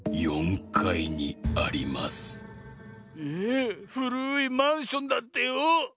えふるいマンションだってよ。